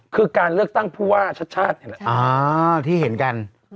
คือการเลือกตั้งผู้ว่าชาติชาตินี่แหละที่เห็นกัน